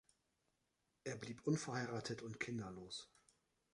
Er blieb unverheiratet und kinderlos.